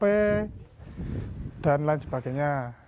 atau hp dan lain sebagainya